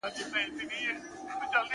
ستا د کتاب تر اشو ډېر دي زما خالونه؛